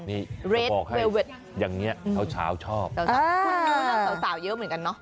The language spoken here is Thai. สะพอกให้อย่างนี้เสาชอบอ่าสาวเยอะเหมือนกันเนอะ